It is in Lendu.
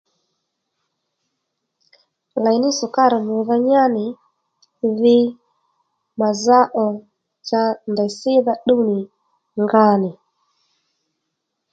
Lèy ní shùkárì mbrdha nyá nì dhi mà zá ò cha ndèy sídha ddúw nì nga nì